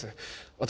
私